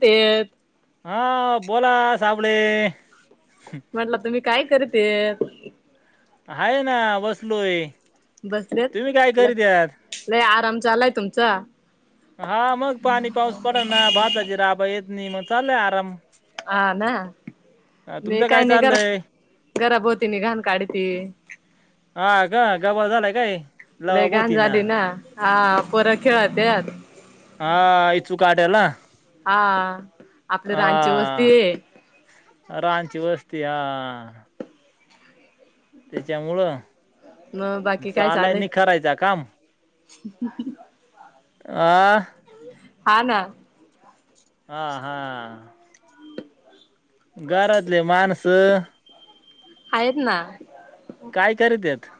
ते. हा, बोला साबळे. म्हटलं तुम्ही काय करते. आहे ना, बसलोय. बसलेत तुम्ही काय करीत आहात लई आराम झाचालाय तुमचा. हा म पाणी पाऊस पड ना, भाताज राबा येत नाही, मग चालय आराम. हा ना. हा, मी तुमचं काय नाही, घरा चाललंय घराभोवती नाही घाण काढती. हा का? गाबाळ झालाय काय लय लवाब घाण होती ना. झाली हा पोर खेळतेत. हा, इचू काटला. हा, आपली रांनची वस्तीये. रांची वस्ती हा. त्याच्यामुळं मग बाकी झालाय नाही खरायच काम. ह [unintelligible] आ हा ना. हा हा. घरातले माणसं हायत ना. काय करीत्यात?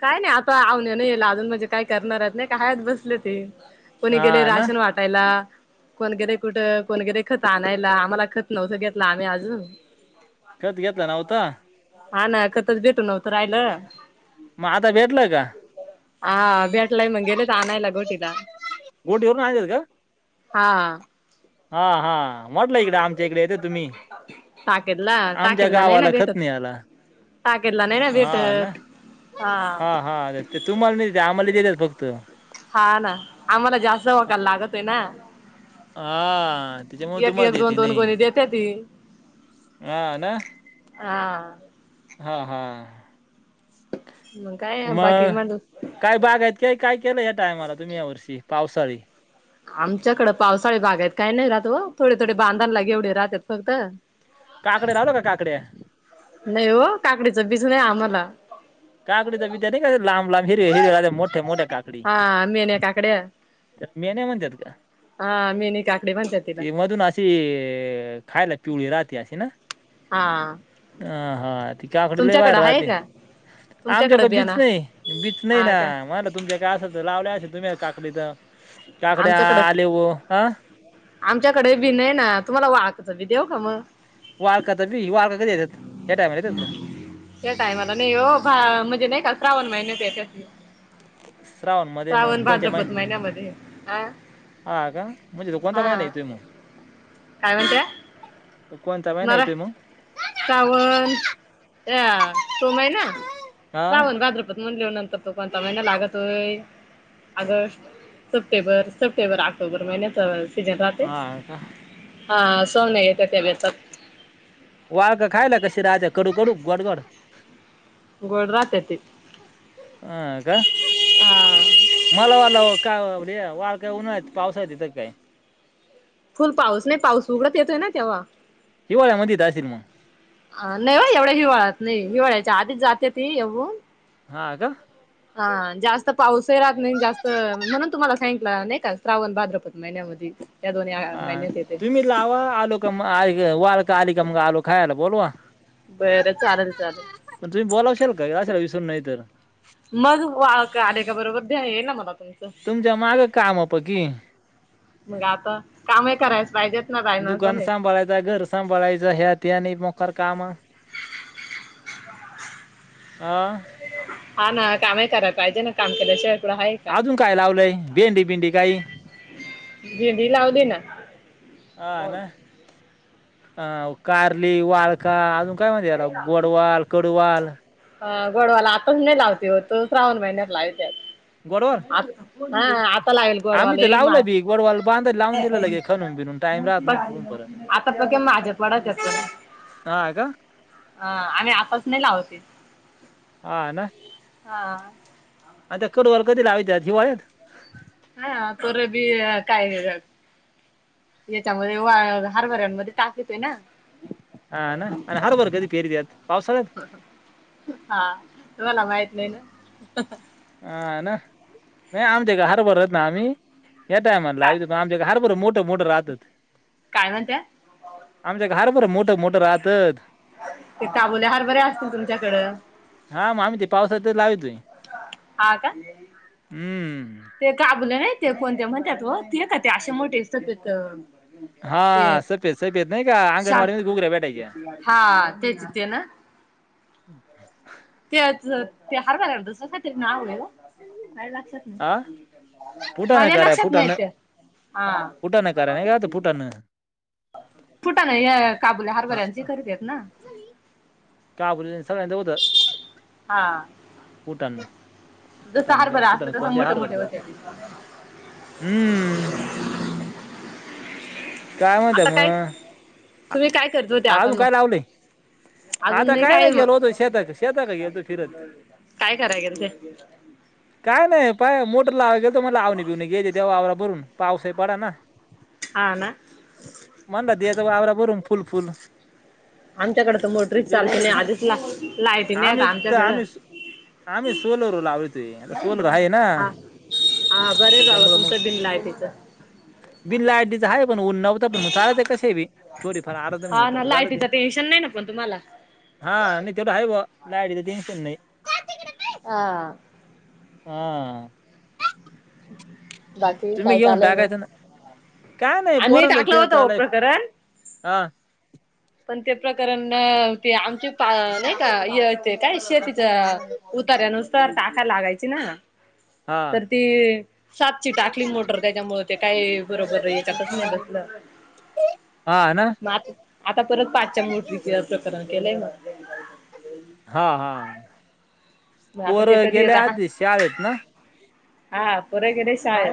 काय नाय आता आवन नाही येला अजून म्हणजे काय करणार नाही कायत बसले ते- कोणी हा गेले ना राशन वाटायला कोणगैरे कुठं कोणगैरे खत आणायला आम्हाला खत नव्हतं घेतला आम्ही अजून खत घेतलं नव्हतं. हा ना खतच भेटू नव्हत राहिलं. मग, आता भेटलंय का? हा, भेटलाय मग गेलेत आणायला गोटीला. गोटि वरूनआणलेत का? हा हा हा म्हटलं इकडें आमच्या इकडे येतं तुम्ही टाकेदला आमच्या टाकेदला नाही ना गावाला खत भेटत नाय आला. टाकेदला नाही ना हा ना भेटत. हा हा. ते तुम्हाला नाही देतात, आम्हाला देतात फक्त. हा ना, आम्हाला जास्त वकाल लागतो ना. हा, त्याच्यामुळ एक तुम्हाला एक दोन देते दोन नई कोणी देते ती हा ना, हा हा, हा मंग काय बाकी मग म्हटलं? काय बाग आहेत का काय केलं या टायमाला तुम्ही या वर्षी पावसाळी? आमच्याकड पावसाळी बागायत काही नाही राहत ओ थोडे, थोडे बांधाला घेवढे राहतात फक्त- काकडे लावलो का काकड्या? नाही हो काकडीचं बीज नाही आम्हाला काकडी तर बित्या नाही का रे लांब लांब हिरे हिरेे मोठे- मोठे काकडी मेल्या काकड्या. मेण्या म्हणत्यात का? हा मिनी काकडी म्हणत्यात तिला. ची खायला पिवळी राहते अशी ना. हा. ह हा आधी काकडी लय तुमच्याकडं भारी आहे राहते का तुमच्याकडं आमच्याकडे बी बियाणा च नाही बी च नाही हा ना का मळा वाटलं तुमच्यां काय असल त लावल्या असलं तुम्ही काकडी त काकड्या आमच्याकडं आलेव हं आमच्याकडे बी नाही ना तुम्हाला वाख च बी देव का म वाळका चां बी वाळका कधी येत्यात ह्या टायमाला येतात का? त्या टायमाला नाही हो भा म्हणजे नाही का श्रावण महिण्यात येतात ते श्रावण मध्ये मग श्रावण कोणत्या माहि भाद्रपत महिन्यामध्ये, अं हा का, म्हणजे तो कोणता महिना येतोय मग? काय म्हणत्या तो कोणता महीना येतोय मग? सावण अ तो माहिना हा सावण भाद्रपद म्हणले नंतर तो कोणता महिना लागतोय? ऑगस्ट सप्टेंबर सप्टेंबर ऑक्टोबर महिन्याचावा तेजे जाते हा का हा सोमने येत ते बेचत. वाळ का खायला कशी राहतात कडू कडू गोड गोड गोड राहतात ते हा का हा मला वाला काय वा काय उन पावसा य तर काय? [unintelligible] फुल पाऊस नाही, पाऊस उघडत येतोय ना तेव्हा. हिवाळ्यामध्ये ताशिल म. नाही वा एवढ्या हिवाळ्यात नाही, हिवाळ्याच्या आधीच जाते ती एवून. हा का? हा जास्त पाऊस राहत नाही जास्त म्हणून तुम्हाला सांगितलं नाही का? श्रावण भाद्रपद महिन्यामधी. हा तुम्ही लावा आलूका म आ वाळका आली का मग आलू खायला बोलवा. बरं चालेल चालेल पण तुम्ही बोलावशाल का? जासाला विसरून नाही तर. मग, वाळक आले का बरोबर द्यान येई ना मला तुम्ही. तुमच्या माग काम पकी. मग आता, कामही करायचं पाहिजेत ना बाय मा दुकान सांभाळायच, घर साबळायचं, ह्या ते आणि मोकर काम. अ. हा ना काम कराय पाहिजे ना काम केल्याशिवायढं हा अजून काय लावलंय भेंडी बिंडी काही भेंडी लावली ना ह आहे ना अ कारली वाळका अजून काय म्हती याला गोडवाल कडवाल अ गडवाला आताच नाही लावते होत श्रावण महिन्यात लावतेत गोडवाल आ हा आता लागेल आम्ही गोडवाला तर हे लावलं माझ बी गोडवाल बांध लावून दिलं लगे खणून बिनून टाइम राहत प नाही पुरून परत आता बघे माझ्या पडाच हा ह का ह आम्ही आपस नाही लावते ह ना हा आता त्या कड वर कधी लाविततात हिवायात हा तोर बी कायले जा याच्यामध्ये वा हरभऱ्यांमध्ये टाकतोय ना हा ना आणि हर बर कधी पेरयतात पावसाळात हा तु म्हाला माहित नाहीय ना हा ना नाही आमच्या हर भरत ना आम्ही या टायमला आ पण काय आमच्या हर बर मोठ मोठ राहतात काय म्हणत्या आमच्या घारबर मोठं मोठं राहतात ते काबुल्या हार बर्या असतील तुमच्याकडं हा मा आम ते पावसातच लावी त आहे आ का हम्म ते काबले नाही ते कोणत्या म्हणतात व ते का ते असे मोठे सग हा सफेद सफेद नाही का शा आंगणवाडी म गुगऱ्या बेटायच्या. हा तेचथ ना. अ् ते ते हरवायलातस काहीतरी नाववयला. का लक्षात हा नाही फुटाणं मझ्या करा लक्षात नाही फुटाणं. त्या. हा. फुटाणं करा नाही का फुटाणं फुटा नाही या काबुल्या हा हरभऱ्यांची करतेत ना का बसालं हों हा. भूटन. जसं हारभरं असलं तस मोठे मोठे होते हम्म काय म्हणत आता काय तुम्ही मग काय करत होते आता अजून काय मग लावलंय आता काय नाही गेलो होतो शताक शताक गेलतो फिरत काय कराय गेलते काय नाही पाय मोटर लावा गेल तो मला आवणी बिवणी गेय तेव आववररा भरून पावसाही पडा ना. ह ना मणड दचा वावरा बरू फुल फुल आमच्याकड तर मोटरीच गेलो चालते होतो नाही तर आधीच ला लाईटी नाही आता आम्ही आमच्याकडं. आम्ही आम्ही सोलवर लावली तु आता सोल आहे ना. हा हा बरे बाबा तुमचं बिनलाय तिच बिल्डीच आहे पण उननाव पण मग चालत कसे बी थोडीफार आरत हा मोटर ना तर चालत लायटीचं टेन्शन नाही ना पण तुम्हाला हा नाही तेवढ हव लाडीच टनशन नाही ह हा बाकी तुम्ही काय घेऊन चालय मग टाकायचं ना काय नाही आम्ही पोरंत टाकलं खेळ होत हो चालाय प्रकरण हा पण ते प्रकरण ते आमचे पा नाही का ते काय शेतीचा उत्यानुसतार टाका लागायची ना हा तर ती सातची टाकली मोटर त्याच्यामुळे ते काही बरोबर याच्यातच नाही बसलं हा आहे ना मग आता आता परत पाचच्या मोटरीच प्रकरण केलंय मग हा हा मग आता पोर ते कधी येत गेल्या हा आधी शाळेत ना हा पुरेकडे शा आहे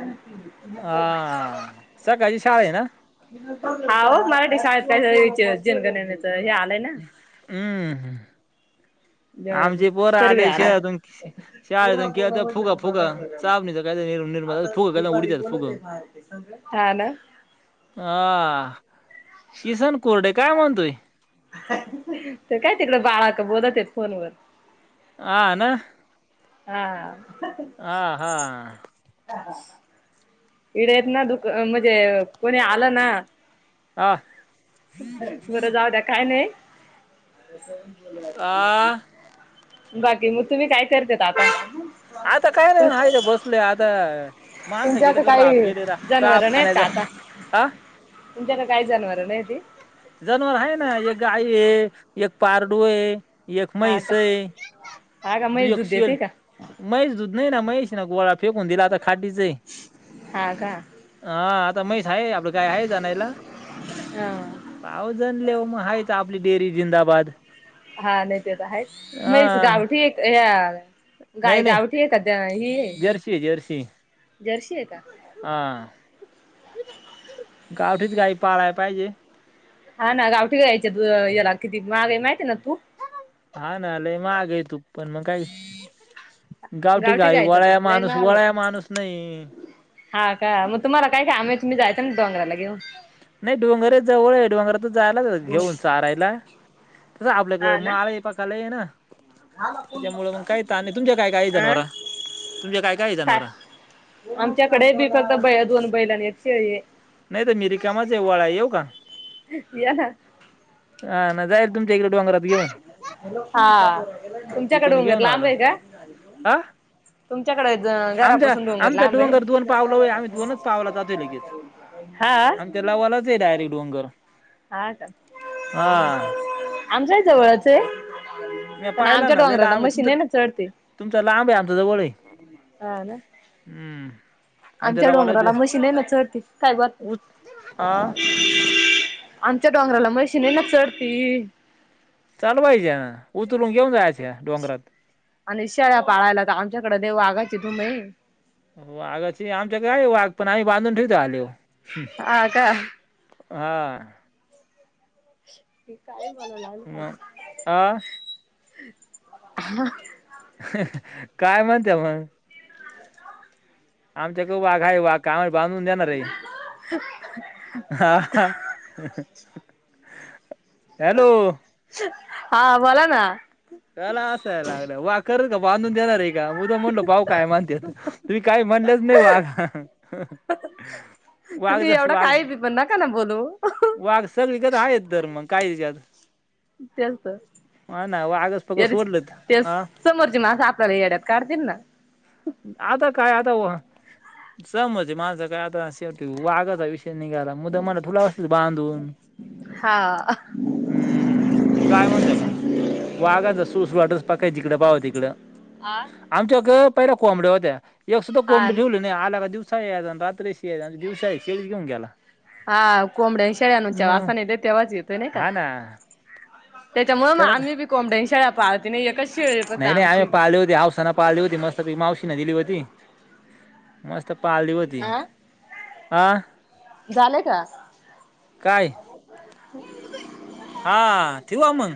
हा सकाळची शाळा आहे ना हा मराठी शाळेत काय वि जनगणनेच हे आलंय ना हम्म ना आमचे पोर सर्वे आले आलाय शहळातून शाळेतून केता फुग फुग चाप नाही तर काय निरूनर फुग का उडीतात फुग हा ना हा किसन कुर्डे काय म्हणतोय तर काय तिकडं बाळक बोलत आहेत फोनवर ह ना हा हा हा हा हा इडे येत ना दुक म्हणजे कोणी आलं ना हा बरं जाऊ द्या काय नाही आ बाकी मग तुम्ही काय करते आता आता काय नाही हाय ते बसले आता माणसं गेले तुमच्याकडे तर राब काही गेले रा जनावर राब नाही का आणायचा आता हा तुमच्यात काही जनावरं नाहीती जनावर आहे ना एक गाई आहे एक पारडू आहे एक हा का मैसे हा का दु म्हैस एक दूध देते शेर का मैश दूध नाही ना मैशी ना गोवाळा फेकून दिला आता खाटीच आहे आगा हा आता मैस आहे आपल गाय आहे जानायला हा पावजणले मग हायच आपली डेअरी जिंदाबाद हा नाही तेच आहे हा मग गावठी एक गा नाही नाही गावठी एक ही आहे जर्सी जर्सी जर्शी आहे का हा गावठीच गाई पाळाय पाहिजे हा ना गावठी गयच्या याला किती माहागे माहितीय ना तू हा ना अलेयमा आ गय तू पण मग काय गाव ठीक गावठी आहे गायचं वळ तूप लय माणूस महाग आहे. वळा माणूस नाही हा का मग तुम्हाला काय का आम आहे तु मी जायचं ना डंगरालाेऊन नाही डोंगर जवळ डोंगर तर जायलाच घेऊन चारायला तसं आपल्याकडे माळ पाकाला आहे ना त्याच्यामुळे मग काही ताण नाही तुमच्या काय काय अं जनावरा काय आमच्याकडे बी फक्त ब दोन बैलां एक शेळी नाही तर मी रिकमाच आये वाळाया आहे येऊ का या ना हा ना जाईर तुमच्या इकडे डोंगरात घे हा तुमच्याकडे होऊनेत लांब आहे का आ तुमच्याकडे आमच्या घरापासून आमच्या लांब डोंगर आहे दोन पावला हो आम्ही दोनच पावला जातोय लगेच हा आणिम त्या लावाच आहे डायरेक् डंगर हता हा आमच्या जवळचं आहे मी पण पाहिला ना लिला आंब आहे ना चढते तुमच तुमचा लांब आहे आमच्या जवळ आहे हा ना हम्म आमच्या लवाला डोंगराला डो मशीन आहे ना चढती काय बात उ हा आमच्या डोंगराला मशीन आहे ना चढती चाल पाहिजे ना उतरून घेऊन जायच डोंगरात आणि शेळ्या पाळायला तर आमच्याकडे देव आगायची तुम्ही वाघाची आमच्या काय वाघ पण आम्ही बांधून ठेवत आले हो हा का हा ह काय मला लाल पा मग अ काय म्हणते मग आमच्याक वाघा आहे वाघ काम बांधून देणार आहे हा हॅलो हा बोला ना त्याला असाय लागलं वा करत का बांधून देणार एक का म तर म्हणलो पाऊ काय म्हणते तुमही काही म्हणलंच नाही बाघ तुम्ही एवढं वाघ काही बी पण न का ना बोलू वाघ सगळी ग आहेत तरर मग कायत त्याच तर वाघच फक्त यार सोडलत तेच हा समोरचे मासं आपल्याला येड्यात काढतील ना आता काय आता समज माझं काय आता शेवटी वाघाचा विषय निघाला मुद मला तुला असल बांधून हा हम्म काय म्हणत मग वाघायचा सुळसुळाट आहे जिकडे पाहावे तिकडे आठ आमच्या ग पहिल्या कोंबड्या होत्या एक सुद्धा कोंबड ठेवले नाही आला का दिवसा आहे आणि रात्रीशी दिवसा शेळी घेन ग्याला हा कोंबड्या शेळनच्याववा असा नाही ते तेव्हाच येतोय नाही का हा ना त्याच्यामुळे मग त्याला का आम्ही बी कोमड्या शाळा पाहते नाहीय कस शेळ पता आमची व सना पाळली होती मस्त प मावशी न दिली होती मस्त पाळली होती आ झालंय का काय हा ठेऊ अमंग